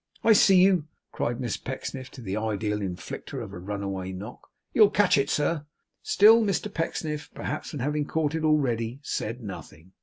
'I see you,' cried Miss Pecksniff, to the ideal inflicter of a runaway knock. 'You'll catch it, sir!' Still Mr Pecksniff, perhaps from having caught it already, said nothing.